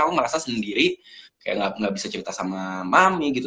aku merasa sendiri kayak gak bisa cerita sama mami gitu